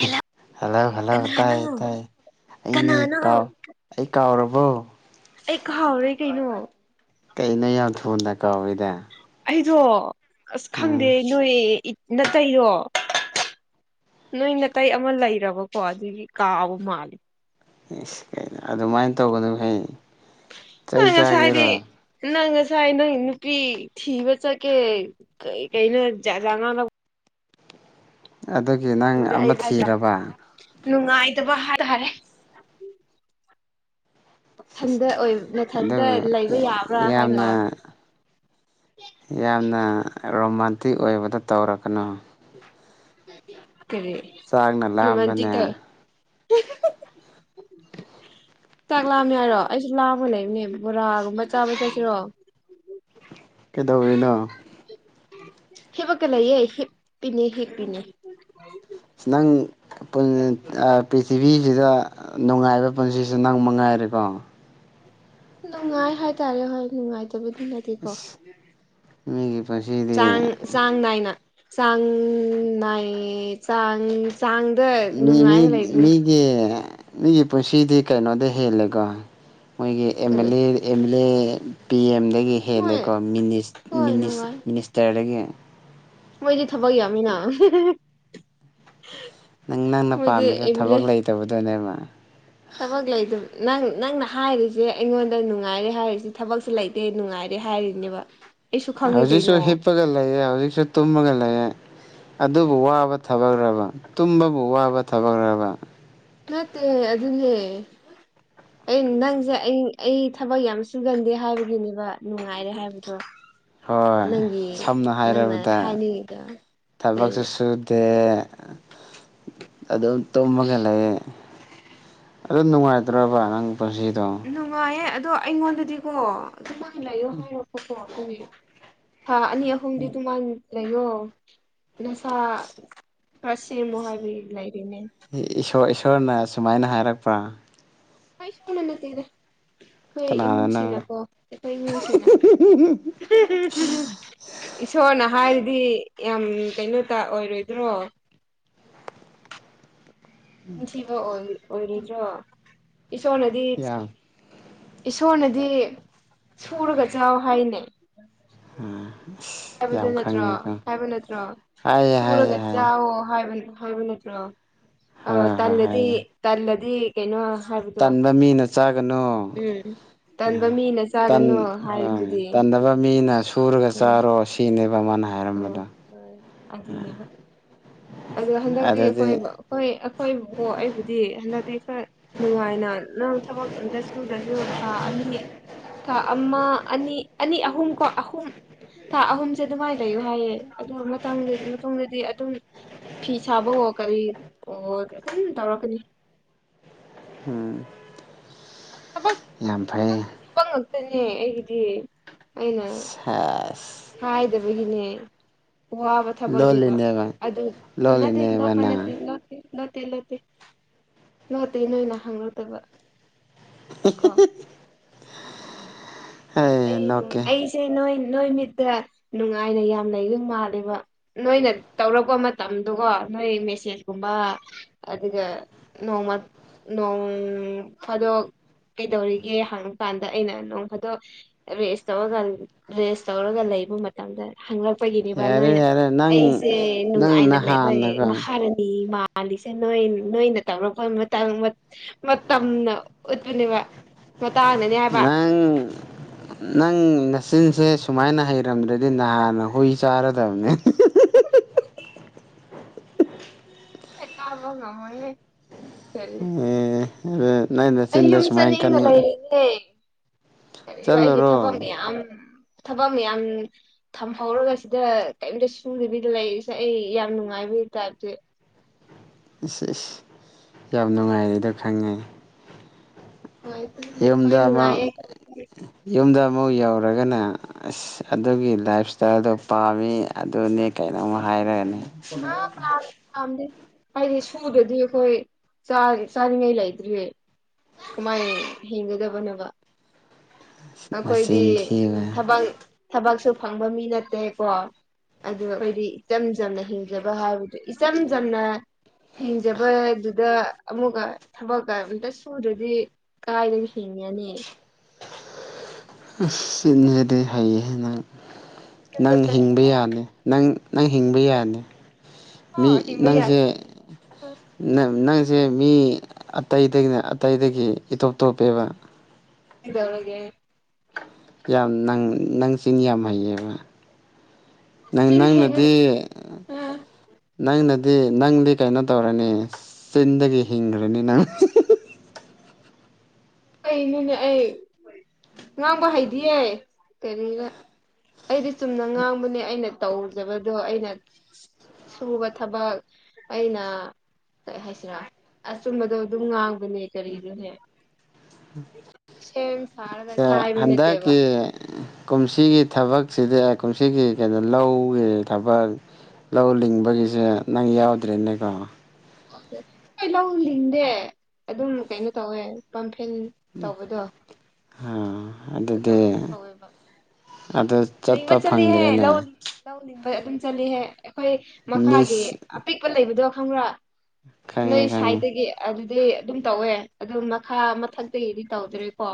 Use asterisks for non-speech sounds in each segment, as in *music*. ꯍꯦꯜꯂ hello hello ꯀꯅꯥꯅꯣ ꯇꯥꯏ ꯇꯥꯏ ꯑꯅꯦ ꯀꯅꯥꯅꯣ ꯀꯥꯎ ꯑꯩ ꯀꯥꯎꯔꯕꯣ ꯑꯩ ꯀꯥꯎꯔꯦ ꯀꯩꯅꯣ ꯀꯩꯅꯣ ꯌꯥꯝ ꯊꯨꯗ ꯀꯥꯎꯏꯗ ꯑꯩꯗꯣ ꯑꯁ ꯈꯪꯗꯦ ꯎꯝ ꯅꯣꯏ ꯅꯇꯩꯔꯣ ꯅꯣꯏ ꯅꯥꯇꯩ ꯑꯃ ꯂꯩꯔꯕꯀꯣ ꯑꯗꯨꯒꯤ ꯀꯥꯎꯕ ꯃꯥꯂꯦ ꯑꯦ ꯀꯩꯅꯣ ꯑꯗꯨꯃꯥꯏꯟ ꯇꯧꯒꯅꯨꯍꯦ ꯆꯩ *unintelligible* ꯆꯥꯒꯦꯔꯣ ꯅꯪ ꯉꯁꯥꯏ ꯅꯪ ꯅꯨꯄꯤ ꯊꯤꯕ ꯆꯠꯀꯦ ꯀꯩ ꯀꯩꯅꯣ ꯖꯥꯠ ꯖꯥꯠ ꯉꯪ ꯑꯗꯨꯒꯤ ꯅꯪ ꯑꯃ ꯑꯩ ꯍꯥꯏꯁꯤꯔꯥ ꯊꯤꯔꯕ ꯅꯨꯡꯉꯥꯏꯇꯕ ꯍꯥꯏꯇꯥꯔꯦ ꯏꯊꯟꯗ ꯑꯣꯏ ꯅꯊꯟꯇ ꯂꯩꯕ ꯑꯗꯨꯒ ꯌꯥꯕ꯭ꯔꯥ ꯍꯥꯏꯅ ꯌꯥꯝꯅ ꯌꯥꯝꯅ ꯔꯣꯃꯥꯟꯇꯤꯛ ꯑꯣꯏꯕꯗ ꯇꯧꯔꯛꯀꯅꯨ ꯀꯔꯤ ꯆꯥꯡꯅ ꯂꯥꯝꯕꯅꯦ ꯔꯣꯃꯥꯟꯇꯤꯛꯇ ꯆꯥꯛ ꯂꯥꯝꯃꯦ ꯍꯥꯏꯔꯣ ꯑꯩꯁꯨ ꯂꯥꯝꯃꯥ ꯂꯩꯕꯅꯦ ꯕꯣꯔꯥꯒꯨꯝꯕ ꯆꯥꯕ ꯆꯠꯁꯤꯔꯣ ꯀꯩꯗꯧꯔꯤꯅꯣ ꯍꯤꯞꯄꯒ ꯂꯩꯌꯦ ꯍꯞꯄꯤꯅꯦ ꯍꯣꯞꯄꯤꯅꯤ ꯅꯪ ꯄ꯭ꯔꯤꯊꯤꯕꯤꯁꯤꯗ ꯅꯨꯡꯉꯥꯏꯕ ꯄꯨꯟꯁꯤꯁꯤ ꯅꯪ ꯃꯉꯥꯏꯔꯦꯀꯣ ꯅꯨꯡꯉꯥꯏ ꯍꯥꯏꯇꯥꯔꯦ ꯍꯣꯏ ꯅꯨꯡꯉꯥꯏ ꯐꯠꯇꯕꯨꯗꯤ ꯅꯦꯀꯣ ꯃꯤꯒꯤ ꯄꯨꯟꯁꯤꯗꯤ ꯆꯥꯡ ꯆꯥꯡ ꯅꯥꯏꯅ ꯆꯥꯡ ꯅꯥꯏꯌꯦ ꯆꯥꯡ ꯆꯥꯡꯗ ꯅꯨꯡꯉꯥꯏꯔ ꯂꯩꯕꯅꯦ ꯑꯩꯒꯤ ꯃꯤꯒꯤ ꯄꯨꯟꯁꯤꯗꯤ ꯀꯩꯅꯣꯗꯩ ꯍꯦꯜꯂꯦꯀꯣ ꯃꯣꯏꯒꯤ ꯑꯦꯝ ꯀꯔꯤ ꯑꯦꯜ ꯑꯦ ꯑꯦꯝꯂꯦ ꯄꯤ ꯑꯦꯝꯗꯒꯤ ꯃꯣꯏ ꯍꯦꯜꯂꯦꯀꯣ ꯍꯣꯏ ꯅꯨꯡꯉꯥꯏ ꯃꯤꯅꯤꯁꯇꯔꯗꯒꯤ ꯃꯣꯏꯗꯤ ꯊꯕꯛ ꯌꯥꯝꯃꯤꯅ ꯅꯪ ꯅꯪꯅ ꯃꯣꯏꯗꯤ ꯄꯥꯝꯃꯤꯁꯦ ꯑꯦꯕꯤꯂꯦ ꯊꯕꯛ ꯂꯩꯇꯕꯗꯨꯅꯦꯕ ꯊꯕꯛ ꯂꯩꯇꯕ ꯅꯪ ꯅꯪꯅ ꯍꯥꯏꯔꯤꯁꯦ ꯑꯩꯉꯣꯟꯗ ꯅꯨꯡꯉꯥꯏꯔꯦ ꯍꯥꯏꯔꯤꯁꯦ ꯊꯕꯛꯁꯦ ꯂꯩ ꯗꯦ ꯅꯨꯡꯉꯥꯏꯔꯦ ꯍꯥꯏꯔꯤꯅꯦꯕ ꯑꯩꯁꯨ ꯈꯪꯉꯤ ꯍꯧꯖꯤꯛꯁꯨ ꯀꯩꯅꯣ ꯍꯤꯞꯄꯒ ꯂꯩꯌꯦ ꯍꯧꯖꯤꯛꯁꯨ ꯇꯨꯝꯃꯒ ꯂꯩꯔꯦ ꯑꯗꯨꯕꯨ ꯋꯥꯕ ꯊꯕꯛꯔꯕ ꯇꯨꯝꯕꯕꯨ ꯋꯥꯕ ꯊꯕꯛꯔꯕ ꯅꯠꯇꯦ ꯑꯗꯨꯅꯦ *inaudible* ꯑꯩ ꯅꯪꯁꯦ ꯑꯩ ꯑꯩ ꯊꯕꯛ ꯌꯥꯝ ꯁꯨꯒꯟꯗꯦ ꯍꯥꯏꯕꯒꯤꯅꯦꯕ ꯅꯨꯡꯉꯥꯏꯔꯦ ꯍꯥꯏꯕꯗꯣ ꯍꯣꯏ ꯅꯪꯒꯤ ꯁꯝꯅ ꯅꯪꯅ ꯍꯥꯏꯔꯕꯗ ꯍꯥꯏꯅꯤꯡꯉꯤꯗꯣ ꯊꯕꯛꯁꯨ ꯀꯩꯅꯣ ꯁꯨꯗꯦ ꯑꯗꯨꯝ ꯇꯨꯝꯃꯒ ꯂꯩ ꯑꯗꯨ ꯅꯨꯡꯉꯥꯏꯇ꯭ꯔꯕ ꯅꯪ ꯄꯨꯟꯁꯤꯗꯣ ꯅꯨꯡꯉꯥꯏꯌꯦ ꯑꯗꯣ ꯑꯩꯉꯣꯟꯗꯗꯤꯀꯣ ꯑꯗꯨꯥꯏꯅ ꯂꯩꯌꯣ ꯍꯥꯏꯔꯛꯄꯀꯣ ꯑꯗꯨ ꯊꯥ ꯑꯅꯤ ꯑꯍꯨꯝꯗꯤ ꯑꯗꯨꯃꯥꯟ ꯂꯩꯌꯣ ꯅꯁꯥ ꯈꯔ ꯁꯦꯝꯃꯣ ꯍꯥꯏꯕꯩ ꯂꯩꯔꯤꯅꯦ ꯏꯁꯣꯔ ꯏꯁꯣꯔꯅ ꯁꯨꯃꯥꯏꯅ ꯍꯥꯏꯔꯛꯄ꯭ꯔꯥ ꯏꯁꯣꯔꯅ ꯅꯠꯇꯦꯗ ꯑꯩꯈꯣꯏ ꯀꯅꯥꯅꯅꯣ ꯏꯃꯨꯡꯁꯤꯡꯅꯀꯣ ꯑꯩꯈꯣꯏ ꯏꯃꯨꯡꯁꯤꯡꯅ ꯏꯁꯣꯔꯅ ꯍꯥꯏꯔꯗꯤ ꯌꯥꯝ ꯀꯩꯅꯣꯇꯧ ꯑꯣꯏꯔꯣꯏꯗ꯭ꯔꯣ ꯆꯤꯟꯊꯤꯕ ꯑꫭꯏ ꯑꯣꯏꯔꯣꯏꯗ꯭ꯔꯣ ꯏꯁꯣꯔꯅꯗꯤ ꯌꯥꯝ ꯏꯁꯣꯔꯅꯗꯤ ꯁꯨꯔꯒ ꯆꯥꯎ ꯍꯥꯏꯅꯦ ꯎꯝ꯫ ꯍꯥꯏꯕꯗꯨ ꯅꯠꯇ꯭ꯔꯣ ꯍꯥꯏꯕ ꯅꯠꯇ꯭ꯔꯣ ꯍꯥꯏꯌꯦ ꯍꯥꯏꯌꯦ ꯁꯨꯔꯒ ꯍꯥꯏꯌꯦ ꯆꯥꯋꯣ ꯍꯥꯏꯕ ꯍꯥꯏꯕ ꯅꯠ ꯇ꯭ꯔꫭ ꯑꯣ ꯍꯣꯏ ꯍꯣꯏ ꯇꯜꯂꯗꯤ ꯍꯥꯏꯌꯦ ꯇꯜꯂꯗꯤ ꯀꯩꯅꯣ ꯍꯥꯏꯕ ꯇꯟꯕ ꯃꯤꯅ ꯆꯥꯒꯅꯨ ꯎꯝ꯫ ꯎ ꯇꯟꯕ ꯃꯤꯅ ꯇꯟ ꯆꯥꯒꯅꯨ ꯑꯥ ꯍꯥꯏꯕꯗꯨꯗꯤ ꯇꯟꯗꯕ ꯃꯤꯅ ꯁꯨꯔꯒ ꯎꯝ ꯆꯥꯔꯣ ꯁꯤ *unintelligible* ꯅꯦꯕ ꯃꯥꯅ ꯑꯣ ꯍꯥꯏꯔꯝꯕꯗꯣ ꯍꯣꯏ ꯑꯗꯨꯅꯦꯕ ꯑꯗꯣ ꯍꯟꯗꯛꯇꯤ ꯑꯩꯈꯣꯏ ꯑꯗꯨꯗꯤ ꯍꯣꯏ ꯑꯩꯈꯣꯏꯕꯨꯀꯣ ꯑꯩꯕꯨꯗꯤ ꯍꯟꯗꯛꯇꯤ ꯈꯔ ꯅꯨꯡꯉꯥꯏꯅ ꯅꯪ ꯊꯕꯛ ꯑꯃꯇꯁꯨꯗ꯭ꯔꯁꯨ ꯊꯥ ꯑꯅꯤ ꯊꯥ ꯑꯃ ꯑꯅꯤ ꯑꯅꯤ ꯑꯍꯨꯝ ꯀꯣ ꯑꯍꯨꯝ ꯊꯥ ꯑꯍꯨꯝꯁꯦ ꯑꯗꯨꯃꯥꯏꯅ ꯂꯩꯌꯨ ꯍꯥꯏꯌꯦ ꯑꯗꯨ ꯃꯇꯝ ꯃꯇꯨꯡꯗꯗꯤ ꯑꯗꯨꯝ ꯐꯤ ꯁꯥꯕ ꯑꯣ ꯀꯔꯤ ꯑꯣ ꯑꯗꯨꯝ ꯇꯧꯔꯛꯀꯅꯤ꯫ ꯎꯝ꯫ ꯊꯕꯛ ꯌꯥꯝ ꯐꯩꯌꯦ ꯫ ꯑꯥꯄꯪ ꯉꯛꯇꯅꯦ ꯑꯩꯒꯤꯗꯤ ꯑꯩꯅ ꯍꯦꯁ ꯍꯥꯏꯗꯕꯒꯤꯅꯦ ꯋꯥꯕ ꯊꯕꯛꯅꯕ ꯂꯣꯜꯂꯤꯅꯦꯕ ꯑꯗꯨ ꯅꯠꯇꯦ ꯂꯣꯜꯂꯤꯅꯦꯕ ꯂꯣꯞꯄ ꯅꯪ ꯅꯠꯇꯦ ꯂꫭꯠꯇꯦ ꯂꫭꯠꯇꯦ ꯂꫭꯠꯇꯦ ꯂꫭꯠꯇꯦ ꯅꯣꯏꯅꯥ ꯍꯪꯉꯛꯇꯥꯕ *unintelligible* ꯑꯩ ꯅꯨꯡ ꯑꯩꯁꯦ ꯅꯣꯏ ꯅꯣꯏ ꯃꯤꯠꯇ ꯅꯨꯡꯉꯥꯏꯅ ꯌꯥꯝ ꯂꯩꯕ ꯃꯥꯜꯂꯦꯕ ꯅꯣꯏꯅ ꯇꯧꯔꯛꯄ ꯃꯇꯝꯗꯨꯒꯣ ꯅꯣꯏ ꯃꯦꯁꯦꯖꯀꯨꯝꯕ ꯑꯗꯨꯒ ꯅꯣꯡꯃ ꯅꯣꯡ ꯐꯗꯣꯛ ꯀꯩꯗꯧꯔꯤꯒꯦ ꯍꯪ ꯀꯥꯟꯗ ꯑꯩꯅ ꯅꯣꯡ ꯐꯥ ꯑꯗꯣ ꯔꯦꯁ ꯇꯧꯔꯒ ꯔꯦꯁ ꯇꯧꯔꯒ ꯂꯩꯕ ꯃ ꯇꯝꯗ ꯍꯪꯂꯛꯄꯒꯤꯅꯦꯕ ꯌꯥꯔꯦ ꯅꯣꯏꯅ ꯌꯥꯔꯦ ꯅꯪ ꯑꯩꯁꯦ ꯅꯪ ꯅꯨꯡꯉꯥꯏꯅ ꯂꯩꯕ ꯅꯍꯥꯟꯅꯀꯣ ꯃꯍꯥꯔꯥꯅꯤ ꯃꯥꯟ ꯃꯥꯟꯂꯤꯁꯦ ꯅꫭꯏ ꯅꯣꯏꯅ ꯇꯧꯔꯛꯄ ꯃꯇꯥꯡ ꯃꯇꯝꯅ ꯎꯠꯄꯅꯦꯕ ꯃꯇꯥꯡꯅ ꯅꯪ ꯅꯪ ꯅꯆꯤꯟꯁꯦ ꯁꯨꯃꯥꯏꯅ ꯍꯩꯔꯝꯗ꯭ꯔꯗꯤ ꯅꯍꯥꯟꯅ ꯍꯨꯏ ꯆꯥꯔꯗꯕꯅꯦ꯫ ꯑꯩ ꯆꯥꯕ ꯉꯥꯝꯃꫭꯏ ꯍꯦ *unintelligible* ꯑꯦ ꯑꯗꯨ ꯅꯪ ꯅꯥꯆꯤꯟꯗꯣ ꯌꯨꯝ ꯁꯨꯃꯥꯏ ꯀꯟꯕ ꯀꯔꯤꯅꫭ ꯑꯩꯒꯤ ꯊꯕꯛ ꯆꯠꯂꯨꯔꯣ ꯃꯌꯥꯝ ꯊꯕꯛ ꯃꯌꯥꯝ ꯊꯝꯍꯧꯔꯒ ꯁꯤꯗ ꯀꯔꯤꯝꯇ ꯁꯨꯡꯗꯕꯤꯗ ꯂꯩꯔꯤꯁꯦ ꯑꯩ ꯌꯥꯝ ꯅꯨꯡꯉꯥꯏꯕꯒꯤ ꯇꯥꯏꯞꯇꯥ ꯏꯁ ꯏꯁ ꯌꯥꯝ ꯅꯨꯡꯉꯥꯏꯔꯦꯗ ꯈꯪꯉꯦ꯫ ꯅꯨꯡꯉꯥꯏꯇꯦ ꯍꯣꯏ ꯌꯨꯝꯗ ꯑꯃꯨꯛ ꯅꯨꯡꯉꯥꯏꯌꯦ ꯌꯨꯝꯗ ꯑꯃꯨꯛ ꯌꯧꯔꯒꯅ ꯑꯁ ꯑꯗꯨꯒꯤ ꯂꯥꯏꯞ ꯏꯁꯇꯥꯏꯜꯗꯣ ꯄꯥꯝꯃꯤ ꯑꯗꯨꯅꯤ ꯀꯩꯅꯣꯝ ꯍꯥꯏꯔꯛꯑꯅꯤ꯫ ꯄꯥꯛ ꯄꯥꯝꯗꯦ ꯍꯥꯏꯗꯤ ꯁꯨꯗꯔꯗꯤ ꯑꯩꯈꯣꯏ ꯆꯥꯅꯤꯡꯉꯩ ꯂꯩꯇ꯭ꯔꯤꯌꯦ꯫ ꯀꯃꯥꯏ ꯍꯤꯡꯒꯗꯕꯅꯣꯕ꯫ ꯑꯩꯈꯣꯏꯗꯤ ꯅꯆꯤꯟ ꯊꯤꯕ ꯊꯕꯛ ꯊꯕꯛꯁꯨ ꯐꯪꯕ ꯃꯤ ꯅꯠꯇꯦꯀꯣ ꯑꯗꯨꯒ ꯑꯩꯈꯣꯏꯗꯤ ꯏꯆꯝ ꯆꯝꯅ ꯍꯤꯡꯖꯕ ꯍꯥꯏꯕꯗꯨ ꯏꯆꯝ ꯆꯝꯅ ꯍꯤꯡꯖꯕ ꯑꯗꯨꯗ ꯑꯃꯨꯛꯀ ꯊꯕꯛꯀ ꯑꯝꯇ ꯁꯨꯗ꯭ꯔꯗꯤ ꯀꯥꯏꯗ ꯍꯤꯡꯉꯅꯤ꯫ ꯁꯤꯟꯅꯗꯤ ꯐꯩꯌꯦ ꯅꯪ ꯌꯨꯝꯗ ꯅꯪ ꯍꯤꯡꯕ ꯆꯠꯅꯤꯡꯉꯦ ꯌꯥꯅꯤ ꯅꯪ ꯅꯪ ꯍꯤꯡꯕ ꯌꯥꯅꯤ ꯃꯤ ꯍꯣꯏ ꯍꯤꯡꯕ ꯌꯥꯏ ꯅꯪꯁꯦ ꯅꯪ ꯅꯪꯁꯦ ꯃꯤ ꯑꯇꯩꯗꯒꯤꯅ ꯑꯇꯩꯗꯒꯤ ꯏꯇꯣꯞ ꯇꯣꯞꯄꯦꯕ ꯀꯩꯗꯧꯔꯒꯦ ꯌꯥꯝ ꯅꯪ ꯅꯪ ꯆꯅꯤ ꯌꯥꯝ ꯍꯩꯌꯦꯕ ꯅꯪ ꯆꯤꯟ ꯍꯩꯕ ꯅꯪꯅꯗꯤ ꯑ ꯅꯪꯅꯗꯤ ꯅꯪꯗꯤ ꯀꯩꯅꯣ ꯇꯧꯔꯅꯤ ꯆꯤꯟꯗꯒꯤ ꯍꯤꯡꯈ꯭ꯔꯅꯤ ꯅꯪ ꯀꯩꯅꯣꯅꯦ ꯑꯩ ꯉꯥꯡꯕ ꯍꯩꯗꯤꯌꯦ ꯀꯔꯤꯔ ꯑꯩꯗꯤ ꯆꯨꯝꯅ ꯉꯥꯡꯕꯅꯦ ꯑꯩꯅ ꯇꯧꯖꯕꯗꯣ ꯑꯩꯅ ꯁꯨꯕ ꯊꯕꯛ ꯑꯩꯅ ꯀꯩ ꯍꯥꯏꯁꯤꯔꯥ ꯑꯁ ꯆꯨꯝꯕꯗꯣ ꯑꯗꯨꯝ ꯉꯥꯡꯕꯅꯦ ꯀꯔꯤꯅꯣꯍꯦꯛ ꯁꯥꯔꯒ ꯁꯥꯏꯕ ꯍꯟꯗ ꯅꯠꯇꯦꯕ ꯀꯤ ꯀꯨꯝꯁꯤꯒꯤ ꯊꯕꯛꯁꯤꯗꯤ ꯀꯨꯝꯁꯤꯒꯤ ꯀꯩꯅꯣ ꯂꯧꯒꯤ ꯊꯕꯛ ꯂꯧ ꯂꯤꯡꯕꯒꯤꯁꯦ ꯅꯪ ꯌꯥꯎꯗ꯭ꯔꯦꯅꯦꯀꯣ ꯍꯣꯏ ꯂꯧ ꯂꯤꯡꯗꯦ ꯑꯗꯨꯝ ꯀꯩꯅꯣ ꯇꯧꯋꯦ ꯄꯝꯐꯦꯟ ꯇꯧꯕꯗꯣ ꯑ ꯑꯣ ꯑꯗꯨꯝ ꯇꯧꯋꯦꯕ ꯑꯗꯨ ꯅꯤꯡꯕ ꯆꯠꯄ ꯆꯠꯂꯤꯍꯦ ꯂꯧ ꯐꯪꯗ꯭ꯔꯦꯅꯦ ꯂꯧꯅꯤꯡꯕ ꯑꯗꯨꯝ ꯆꯠꯂꯤꯍꯦ ꯑꯩꯈꯣꯏ ꯃꯈꯥꯒꯤ ꯃꯤꯁ ꯑꯄꯤꯛꯄ ꯂꯩꯕꯗꯣ ꯈꯪꯕ꯭ꯔꯥ ꯈꯪꯉꯦ ꯅꯣꯏ ꯈꯪꯉꯦ ꯁꯥꯏꯇꯗꯤ ꯑꯗꯨꯗꯤ ꯑꯗꯨꯝ ꯇꯧꯋꯦ ꯑꯗꯨ ꯃꯈꯥ ꯃꯊꯛꯇꯒꯤꯗꯤ ꯇꯧꯗ꯭ꯔꯦꯀꯣ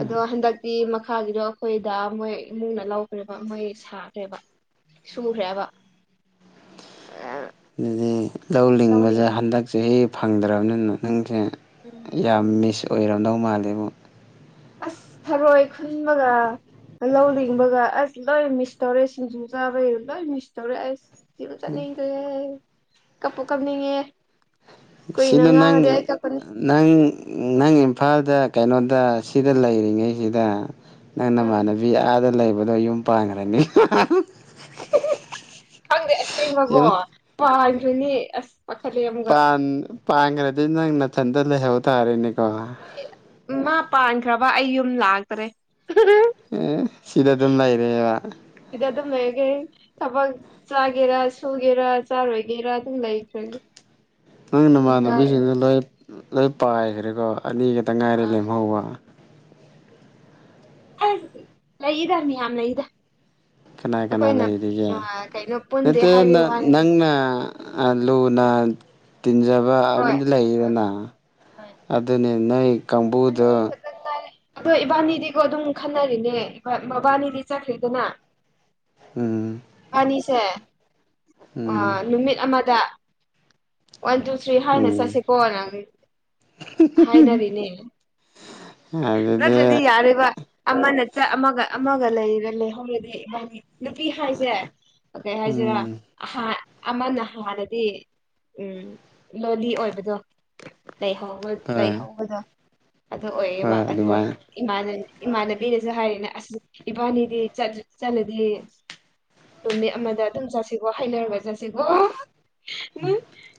ꯑꯗꯣ ꯍꯟꯗꯛꯇꯤ ꯃꯈꯥꯒꯤꯗꯣ ꯑꯩꯈꯣꯏꯗ ꯃꯣꯏ ꯏꯃꯨꯡꯅ ꯂꯧꯈ꯭ꯔꯦꯕ ꯃꯣꯏ ꯁꯥꯈ꯭ꯔꯦꯕ ꯁꯨꯈꯔꯦꯕ *unintelligible* ꯑꯗꯨꯗꯤ ꯂꯧ ꯂꯤꯡꯕꯁꯦ ꯍꯟꯗꯛꯁꯦ ꯍꯦꯛ ꯐꯪꯗ꯭ꯔꯕꯅꯤꯅ ꯅꯪꯁꯦ ꯌꯥꯝ ꯃꯤꯁ ꯑꯣꯏꯔꯝꯗꯧ ꯃꯥꯜꯂꯦ ꯑꯃꯛ ꯑꯁ ꯊꯔꯣꯏ ꯈꯨꯟꯕꯒ ꯂꯧ ꯂꯡꯕꯒ ꯑꯁ ꯂꯣꯏ ꯃꯤꯁ ꯇꯧꯔꯦ ꯁꯤꯡꯖꯨ ꯆꯥꯕꯩ ꯂꯣꯏ ꯃꯤꯁ ꯇꯧꯔꯦ ꯑꯁ ꯤꯕꯨ ꯆꯠꯅꯤꯡ ꯀꯦ ꯀꯞꯄ ꯀꯝꯅꯤꯡꯉꯦ ꯁꯤꯗ ꯅꯪ ꯅꯪ ꯅꯪ ꯏꯝꯐꯥꯜꯗ ꯀꯩꯅꯣꯗ ꯁꯤꯗ ꯂꯩꯔꯤꯉꯩꯁꯤꯗ ꯅꯪ ꯑꯥ ꯅꯃꯥꯟꯅꯕꯤ ꯑꯥꯗ ꯂꯩꯕꯗꯣ ꯌꯨꯝ ꯄꯥꯟꯈ꯭ꯔꯅꯤ ꯈꯪꯗꯦ ꯑꯁ ꯂꯩꯕꯒꯣ ꯌꯨꯝ ꯄꯥꯏꯗ꯭ꯔꯣꯏꯅꯦ ꯑꯁ ꯄꯥꯈꯠꯂꯦ ꯑꯃꯨ ꯄꯥꯟ ꯄꯥꯟꯈ꯭ꯔꯗꯤ ꯅꯪ ꯅꯥꯊꯟꯗ ꯂꯩꯍꯧ ꯇꯥꯔꯅꯤꯀꯣ ꯃꯥ ꯄꯥꯟꯈ꯭ꯔꯕ ꯑꯩ ꯌꯨꯝ ꯂꯥꯛꯇꯔꯦ ꯑꯦ ꯁꯤꯗ ꯑꯗꯨꯝ ꯂꯩꯔꯦꯕ ꯁꯤꯗꯗꯨꯝ ꯂꯩꯔꯒꯦ ꯊꯕꯛ ꯆꯥꯒꯦꯔꯥ ꯁꯨꯒꯦꯔꯥ ꯆꯥꯔꯣꯏꯒꯦꯔꯥ ꯑꯗꯨꯝ ꯂꯩꯈ꯭ꯔꯗꯤ ꯅꯪꯒꯤ ꯅꯃꯥꯟꯅꯕꯤꯁꯤꯡꯗ ꯂꯣꯏ ꯂꯣꯏ ꯄꯥꯏꯈ꯭ꯔꯦꯀꯣ ꯑꯅꯤ ꯈꯛꯇ ꯉꯥꯏꯔꯦ ꯄꯥꯏꯗꯦ ꯂꯦꯝꯍꯧꯕ ꯑꯁ ꯂꯩꯗ ꯃꯤꯌꯥꯝ ꯂꯩꯗ ꯀꯅꯥ ꯀꯅꯥ ꯑꯩꯈꯣꯏꯅ ꯂꯩꯔꯤꯒꯦ ꯀꯩꯅꯣ ꯄꯨꯟꯗꯦ ꯅꯠꯇ ꯍꯥꯏꯕꯒꯤ ꯋꯥꯅꯤꯗꯤ ꯅꯪꯅ ꯂꯨꯅ ꯇꯤꯟꯖꯕ ꯍꯣꯏ ꯑꯃꯗꯤ ꯍꯣꯏ ꯂꯩꯗꯅ ꯍꯣꯏ ꯑꯗꯨꯅꯤ ꯅꯩ ꯑꯅꯤ ꯀꯥꯡꯕꯨꯗ ꯑꯗꯣ ꯏꯕꯥꯅꯤꯗꯤꯒꯣ ꯑꯗꯨꯝ ꯈꯟꯅꯔꯤꯅꯦ ꯃꯕꯥꯅꯤꯗꯤ ꯆꯠꯈ꯭ꯔꯦꯗꯅ ꯎꯝ ꯢꯕꯟꯅꯤꯁꯦ ꯑ ꯎꯝ ꯅꯨꯃꯤꯠ ꯑꯃꯗ ꯋꯥꯟ ꯇꯨ ꯊ꯭ꯔꯤ ꯍꯥꯏꯅ ꯎꯝ ꯆꯠꯁꯤꯀꯣ ꯅ ꯍꯥꯏꯅꯔꯤꯅꯦ ꯑꯗꯨꯗꯤ ꯅꯠꯇ꯭ꯔꯗꯤ ꯌꯥꯔꯦꯕ ꯑꯃꯅ ꯑꯃꯒ ꯑꯃꯒ ꯂꯩꯔ ꯂꯩꯍꯧꯔꯗꯤ ꯅꯨꯄꯤ ꯍꯥꯏꯁꯦ ꯀꯩ ꯍꯥꯏꯁꯤꯔ ꯎꯝ ꯑꯃꯅ ꯍꯥꯟꯔꯗꯤ ꯎꯝ ꯂꯣꯂꯤ ꯑꯣꯏꯕꯗꯣ ꯂꯩꯍꯧꯕ ꯍꯣꯏ ꯂꯩꯍꯧꯕꯗꯣ ꯑꯗꯨ ꯑꯣꯏꯌꯦꯕ ꯍꯣꯏ ꯑꯗꯨ ꯑꯗꯨꯃꯥꯏꯅ ꯏꯃꯥꯟꯅꯕꯤ ꯏꯃꯥꯟꯅꯕꯤꯗꯨꯗ ꯍꯥꯏꯔꯤꯅꯦ ꯑꯁ ꯏꯕꯥꯅꯤꯗꯤ ꯆꯠꯂꯗꯤ꯫ ꯅꯨꯃꯤꯠ ꯑꯃꯗ ꯑꯗꯨꯝ ꯆꯠꯁꯤꯒꯣ ꯍꯩꯅꯔꯒ ꯆꯠꯁꯤꯀꯣ꯫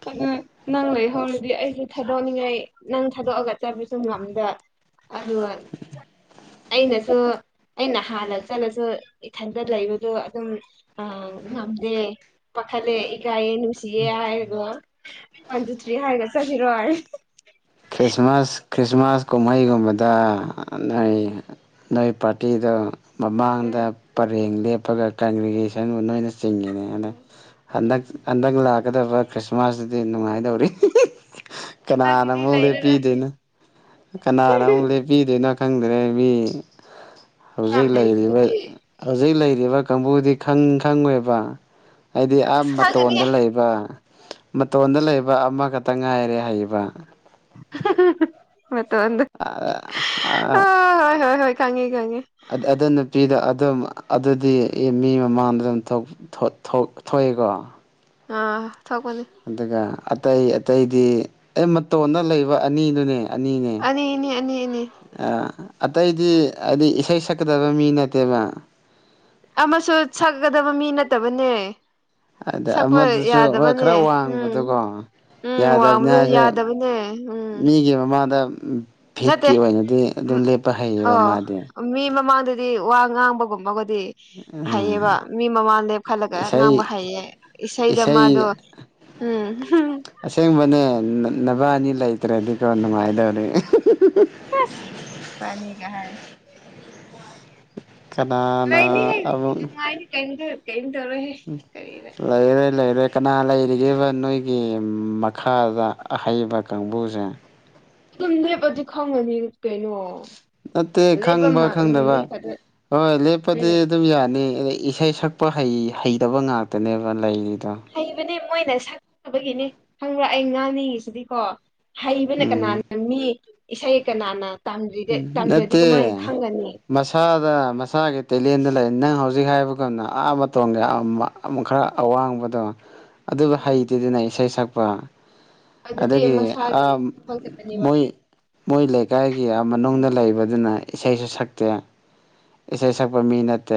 ꯑꯗꯨ꯫ ꯅꯪ ꯂꯩꯍꯧꯔꯗꯤ ꯑꯩꯁꯨ ꯊꯥꯗꯣꯛꯅꯤꯡꯉꯥꯏ ꯅꯪ ꯊꯥꯗꯣꯛꯑꯒ ꯆꯠꯄꯁꯨ ꯉꯝꯗ꯫ ꯑꯗꯨꯒ ꯑꯩꯅꯁꯨ꯫ ꯑꯩꯅ ꯍꯥꯟꯅ ꯆꯠꯂꯁꯨ ꯏꯊꯟꯗ ꯂꯩꯕꯗꯣ ꯑꯗꯨꯝ ꯉꯝꯗꯦ꯫ ꯄꯥꯈꯠꯂꯦ ꯏꯀꯥꯏꯌꯦ ꯅꯨꯡꯁꯤꯌꯦ ꯍꯥꯏꯔꯒ ꯋꯥꯟ ꯇꯨ ꯊ꯭ꯔꯤ ꯍꯥꯏꯔꯒ ꯆꯠꯈꯤꯔꯣ꯫ ꯈ꯭ꯔꯤꯁꯃꯥꯁ ꯈ꯭ꯔꯤꯁꯃꯥꯁ ꯀꯨꯝꯍꯩꯒꯨꯝꯕꯗ ꯅꯣꯏ꯫ ꯅꯣꯏ ꯄꯥꯔꯇꯤꯗꯣ ꯃꯃꯥꯡꯗ ꯄꯔꯦꯡ ꯂꯦꯞꯄꯒ ꯀꯪꯒ꯭ꯔꯦꯒꯦꯁꯟꯕꯨ ꯅꯣꯏꯅ꯫ ꯆꯤꯡꯉꯤꯅꯦ ꯑꯗꯨ ꯍꯟꯗꯛ ꯍꯟꯗꯛ ꯂꯥꯛꯀꯗꯕ꯫ ꯈ꯭ꯔꯤꯁꯃꯥ ꯁꯇꯗꯤ ꯅꯨꯡꯉꯥꯏꯗꯧꯔꯤ ꯀꯟꯅꯅ꯫ ꯍꯟꯗꯛꯀꯤꯗꯤ ꯑꯃꯨꯛ ꯂꯩꯔꯔꯣꯏ ꯁꯤ ꯂꯦꯞꯄꯤꯗꯣꯏꯅꯣ ꯀꯅꯥꯅ ꯑꯃꯨꯛ ꯂꯦꯞꯄꯤꯗꯣꯏꯅꯣ ꯈꯪꯗ꯭ꯔꯦ ꯃꯤ꫰꫰ ꯌꯥꯝ ꯍꯧꯖꯤꯛ ꯂꯩꯔꯤꯕ꯫ ꯂꯩꯔꯤꯗꯨꯗꯤ ꯍꯧꯖꯤꯛ ꯂꯩꯔꯤꯕ ꯀꯥꯡꯕꯨꯗꯤ ꯈꯪ ꯈꯪꯉꯣꯏꯕ ꯍꯥꯏꯗꯤ ꯑ ꯈꯪꯒꯅꯤ ꯃꯇꯣꯟꯗ ꯂꯩ ꯕ ꯃꯇꯣꯟꯗ ꯂꯩꯕ ꯑꯃꯈꯛꯇ ꯉꯥꯏꯔꯦ ꯍꯥꯏꯌꯦꯕ꯫ ꯃꯇꯣꯟꯗ꯫ *unintelligible* ꯑ ꯍꯣꯏ ꯍꯣꯏ ꯈꯪꯉꯦ ꯈꯪꯉꯦ꯫ ꯑꯗꯨ ꯅꯨꯄꯤꯗꯣ ꯑꯗꯨꯝ ꯑꯗꯨꯗꯤ ꯃꯤ ꯃꯃꯥꯡꯗ ꯑꯗꯨꯝ ꯊꯣꯛ꯫ ꯊꯣ ꯊꯣ ꯊꯣꯛꯑꯦꯀꯣ꯫ ꯑꯥ ꯊꯣꯛꯄꯅꯤ꯫ ꯑꯗꯨꯒ ꯑꯇꯩ ꯑꯇꯩꯗꯤ ꯑꯩ ꯃꯇꯣꯟꯗ ꯂꯩꯕ ꯑꯅꯤꯗꯨꯅꯦ꯫ ꯆꯅꯤꯅꯦ꯫ ꯑꯅꯤꯅꯤ ꯑꯅꯤ ꯑꯅꯤ ꯑꯥ ꯑꯇꯩꯗꯤ ꯍꯥꯏꯗꯤ ꯏꯁꯩ ꯁꯛꯀꯗꯕ ꯃꯤ ꯅꯠꯇꯦꯗꯅ꯫ ꯑꯃꯁꯨ ꯁꯛꯒꯗꯕ ꯃꯤ ꯅꯠꯇꯕꯅꯦ꯫ ꯑꯗ ꯁꯛꯄ ꯑꯃꯗꯨꯁꯨ ꯍꯣꯏ ꯌꯥꯗꯕꯅꯦ ꯈꯔ ꯎꯝ ꯋꯥꯡꯕꯗꯨꯀꯣ꯫ ꯎꯝ ꯌꯥꯗꯕꯅꯤ ꯋꯥꯡꯕꯗꯣ ꯍꯥꯏꯔꯁꯨ ꯌꯥꯗꯕꯅꯦ ꯎꯝ ꯃꯤꯒꯤ ꯃꯃꯥꯡꯗ ꯎꯝ꯫ ꯐꯤꯠꯀꯤ ꯅꯠꯇꯦ ꯑꯣꯏꯅꯗꯤ ꯑꯗꯨꯝ ꯎꯝ ꯂꯦꯞꯄ ꯍꯩꯌꯦꯕ ꯑꯣ ꯃꯥꯗꯤ꯫ ꯃꯤ ꯃꯃꯥꯡꯗꯗꯤ ꯋꯥ ꯉꯥꯡꯕꯒꯨꯝꯕꯒꯗꯤ꯫ ꯍꯩꯌꯦꯕ ꯃꯤ ꯃꯃꯥ ꯂꯦꯞꯈꯠꯂꯒ ꯑꯉꯥꯡꯕ ꯏꯁꯩ ꯍꯩꯌꯦ ꯏꯁꯩꯗ ꯏꯁꯩ ꯃꯥꯗꯣ꯫ ꯎꯝ꯫ ꯑꯁꯦꯡꯕꯅꯦ ꯅꯕꯥꯅꯤ ꯂꯩꯇ꯭ꯔꯗꯤꯀꯣ ꯅꯨꯡꯉꯥꯏꯗꯧꯅꯤ꯫ ꯇꯥꯅꯤꯡꯉꯦ ꯍꯥꯏꯅꯤ꯫ ꯀꯅꯥꯅ ꯂꯩꯅꯤꯍꯦ ꯑꯃꯨꯛ ꯅꯨꯡꯉꯥꯏꯅꯤ ꯀꯩꯝꯒ ꯀꯩꯝꯇꯧꯔꯣꯏꯍꯦ꯫ *inaudible* ꯂꯩꯔꯦ ꯂꯩꯔꯦ ꯀꯅꯥ ꯂꯩꯔꯤꯒꯦꯕ ꯅꯣꯏꯒꯤ ꯃꯈꯥꯗ ꯑꯍꯩꯕ ꯀꯥꯡꯕꯨꯁꯦ꯫ ꯑꯗꯨꯨꯝ ꯂꯦꯄꯔꯗꯤ ꯈꯪꯉꯅꯤ ꯀꯩꯅꯣ꯫ ꯅꯠꯇꯦ ꯂꯦꯞꯄ ꯈꯪꯕ ꯃ ꯈꯪꯗꯕ ꯃꯤ ꯈꯛꯇ ꯍꯣꯏ ꯂꯦꯞꯄꯗꯤ ꯎꯝ ꯑꯗꯨꯝ ꯌꯥꯅꯤ ꯑꯗ ꯏꯁꯩ ꯁꯛ ꯁꯛꯄ ꯍꯩ ꯍꯩꯔꯕ ꯉꯥꯛꯇꯅꯦꯕ ꯂꯩꯔꯤꯗꯣ꯫ ꯍꯩꯕꯅꯦ ꯃꯣꯏꯅ ꯁꯛꯇꯕꯒꯤꯅꯦ ꯈꯪꯕ꯭ꯔꯥ ꯑꯩ ꯉꯥꯡꯅꯤꯡꯉꯤꯁꯤꯗꯤꯀꯣ꯫ ꯍꯩꯕꯅꯦ ꯎꯝ ꯀꯅꯥꯅ ꯃꯤ ꯏꯁꯩ ꯀꯅꯥꯅ꯫ ꯇꯝꯕꯤꯗꯦ ꯎꯝ ꯇꯥꯝꯗꯔꯥꯗꯤ ꯀꯃꯥꯏꯅ ꯅꯠꯇꯦ ꯈꯪꯒꯅꯤ꯫ ꯃꯁꯥꯗ ꯃꯁꯥꯒꯤ ꯇꯦꯂꯦꯟꯗ ꯂꯩ ꯅꯪ ꯍꯧꯖꯤꯛ ꯍꯥꯏꯕꯒꯨꯝꯅ ꯑꯥ ꯃꯇꯣꯡꯒꯤ ꯑꯃ ꯑꯃ ꯈꯔ ꯑꯋꯥꯡꯕꯗꯣ ꯑꯗꯨ ꯎꯝ ꯍꯩꯇꯦꯗꯅ ꯏꯁꯩ ꯁꯛꯄ꯫ ꯑꯗꯨꯗꯤ ꯑꯗꯒꯤ ꯃꯁꯥꯒꯤ ꯑꯥ ꯊꯣꯛꯇꯕꯅꯦꯕ ꯃꯣꯏ꯫ ꯃꯣꯏ ꯂꯩꯀꯥꯏꯒꯤ ꯃꯅꯨꯡꯗ ꯂꯩꯕꯗꯨꯅ ꯏꯁꯩꯁꯨ ꯁꯛꯇꯦ꯫ ꯏꯁꯩ ꯁꯛꯄ ꯃꯤ ꯅꯠꯇꯦ꯫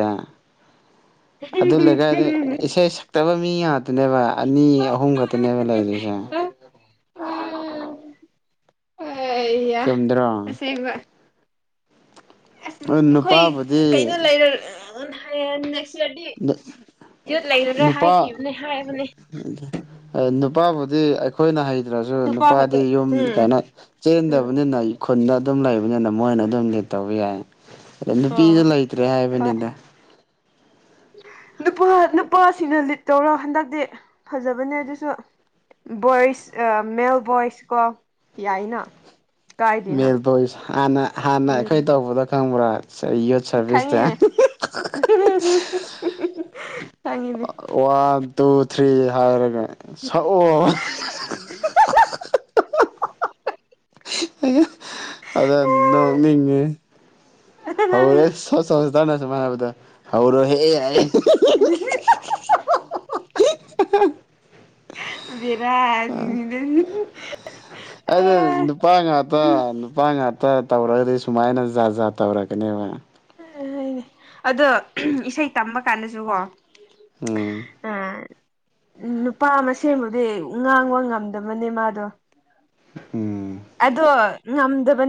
ꯑꯗꯨ ꯂꯩꯀꯥꯏꯗ ꯏꯁꯩ ꯁꯛꯇꯕ ꯃꯤ ꯉꯥꯛꯇꯅꯦꯕ ꯑꯅꯤ ꯑꯍꯨꯝ ꯈꯛꯇꯅꯦꯕ ꯂꯩꯔꯤꯁꯦ꯫ ꯑꯥ ꯑꯥꯌꯥ ꯆꯨꯝꯗ꯭ꯔꯣ ꯑꯁꯦꯡꯕ ꯑꯁ ꯑꯩꯈꯣꯏ ꯀꯩꯅꯣ ꯅꯨꯄꯥꯕꯨꯗꯤ ꯂꯩꯔ ꯑ ꯑꯗꯨ ꯍꯥꯏꯌꯦꯦ ꯅꯦꯛꯁ ꯌꯥꯔꯗꯤ ꯀꯤꯌꯨꯠꯂꯩꯔꯔꯣꯏ ꯍꯥꯏꯈꯤꯕꯅꯦ ꯍꯥꯏꯕꯅꯦ ꯑꯗ ꯅꯨꯄꯥꯕꯨꯗꯤ ꯑꯩꯈꯣꯏꯅ ꯍꯩꯇ꯭ꯔꯁꯨ ꯅꯨꯄꯥ ꯅꯨꯄꯥꯗꯤ ꯈꯛꯇ ꯌꯨꯝ ꯎꯝ ꯀꯩꯅꯣ ꯎꯝ ꯆꯦꯟꯗꯕꯅꯤꯅ ꯈꯨꯟꯗ ꯑꯗꯨꯝ ꯂꯩꯕꯅꯤꯅ ꯃꯣꯏꯅ ꯑꯗꯨꯝ ꯂꯤꯠ ꯇꯧꯕ ꯌꯥꯏ ꯑꯗ ꯑꯣ ꯅꯨꯄꯤꯁꯨ ꯂꯩꯇ꯭ꯔꯦ ꯍꯣꯏ ꯍꯥꯏꯕꯅꯤꯗ ꯅꯨꯄꯥ ꯅꯨꯄꯥꯁꯤꯡꯅ ꯂꯤꯠ ꯇꯧꯔꯣ ꯍꯟꯗꯛꯇꯤ ꯐꯖꯕꯅꯦ ꯑꯗꯨꯁꯨ ꯕꯣꯏꯁ ꯃꯦꯜ ꯕꯣꯏꯁ ꯀꯣ ꯌꯥꯏꯅ ꯀꯥꯏꯗꯦꯅ ꯃꯦꯜ ꯕꯣꯏꯁ ꯍꯥꯟꯅ ꯍꯥꯟꯅ ꯎꯝ ꯑꯩꯈꯣꯏ ꯇꯧꯕꯗ ꯈꯪꯕ꯭ꯔꯥ ꯆꯩ ꯈꯪꯉꯤꯅꯦ ꯈꯪꯉꯤꯅꯦ ꯋꯥꯟ ꯇꯨ ꯊ꯭ꯔꯤ ꯍꯥꯏꯔꯒ ꯁꯛꯑꯣ ꯑꯗ ꯅꯣꯛꯅꯤꯡꯉꯦ ꯍꯧꯔꯦ ꯁꯣ ꯁꯁꯊꯅ ꯁꯨꯃꯥꯏ ꯍꯥꯏꯕꯗ ꯍꯧꯔꯣ ꯍꯦ ꯍꯥ *unintelligible* ꯕꯦꯔꯥꯅꯤ ꯅꯪ ꯑꯩꯗ ꯅꯨꯄꯥ ꯉꯥꯛꯇ ꯅꯨꯄꯥ ꯉꯥꯛꯇ ꯇꯧꯔꯒꯗꯤ ꯁꯨꯃꯥꯏꯅ ꯖꯥꯠ ꯖꯥꯠ ꯇꯧꯔꯛꯀꯅꯦꯕ ꯑꯗꯣ ꯏꯁꯩ ꯇꯝꯕ ꯀꯥꯟꯗꯁꯨꯀꯣ ꯎꯝ ꯑ ꯅꯨꯄꯥ ꯃꯁꯦꯝꯕꯨꯗꯤ ꯉꯥꯡꯕ ꯉꯝꯗꯕꯅꯦ ꯃꯥꯗꯣ ꯎꯝ ꯑꯗꯣ ꯉꯝꯗꯕꯅꯦ